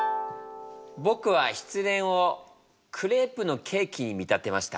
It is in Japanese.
僕は失恋をクレープのケーキに見立てました。